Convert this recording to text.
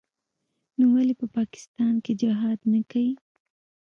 نو ولې په پاکستان کښې جهاد نه کيي.